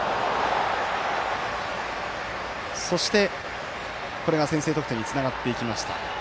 そして、先制得点につながっていきました。